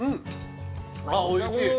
あっおいしい